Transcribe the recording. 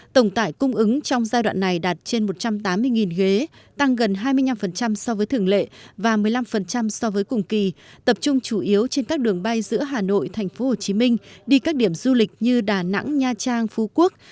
tổng tải cung ứng trong giai đoạn này đạt trên một trăm tám mươi ghế tăng gần hai mươi năm so với thường lệ và một mươi năm so với cùng kỳ tập trung chủ yếu trên các đường bay giữa hà nội tp hcm đi các điểm du lịch như đà nẵng nha trang phú quốc